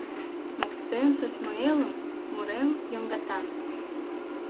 Моктен шочмо элым, мурем йоҥгатан.